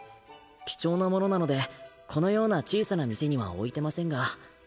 貴重なものなのでこのような小さな店には置いてませんが。